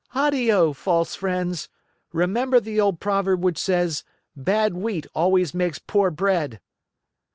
"Addio, false friends. Remember the old proverb which says: 'Bad wheat always makes poor bread!